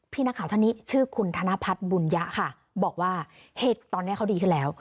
พี่นักข่าวท่านนี้ชื่อคุณธนพัฒน์บุญยะค่ะบอกว่าเหตุตอนนี้เขาดีขึ้นแล้ว